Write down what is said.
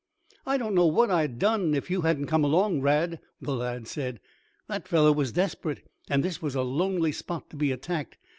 "I don't know what I'd done if you hadn't come along, Rad," the lad said. "That fellow was desperate, and this was a lonely spot to be attacked.